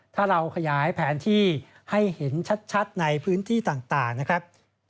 ถ้าเราขยายแผนที่ให้เห็นชัดในพื้นที่ต่างนะครับ